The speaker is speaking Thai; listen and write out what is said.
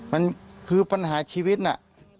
มันคือปัญหาชีวิตน่ะ